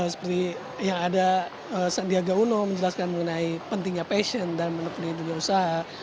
seperti yang ada sandiaga uno menjelaskan mengenai pentingnya passion dan menekuni dunia usaha